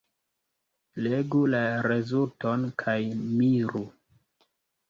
Legu la rezulton kaj miru.